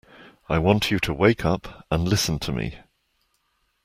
I want you to wake up and listen to me